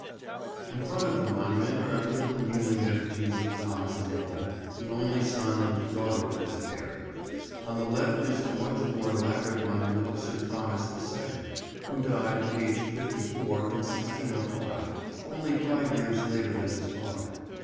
In front of the monument are little kneeling effigies of Thomas and Anne, the only son and daughter of this pair. On the left is the much more elaborate monument of Sir Thomas the Second, who died, aged fifty four, in 1605, only five years later than his father.